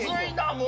もう！